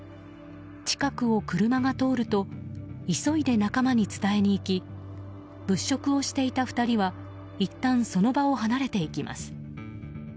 近くを車が通ると急いで仲間に伝えに行き物色をしていた２人はいったんその場を離れていきます。